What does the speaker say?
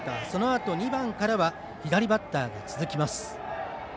そのあと２番からは左バッターが続きます。